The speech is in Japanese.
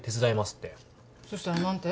そしたら何て？